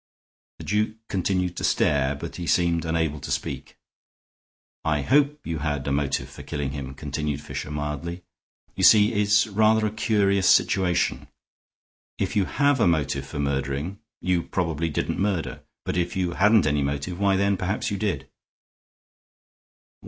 The duke continued to stare, but he seemed unable to speak. "I hope you had a motive for killing him," continued Fisher, mildly. "You see, it's rather a curious situation. If you have a motive for murdering, you probably didn't murder. But if you hadn't any motive, why, then perhaps, you did."